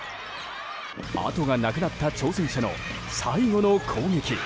あとがなくなった挑戦者の最後の攻撃。